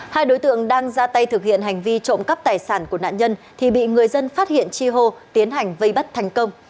hai đối tượng đang ra tay thực hiện hành vi trộm cắp tài sản của nạn nhân thì bị người dân phát hiện chi hô tiến hành vây bắt thành công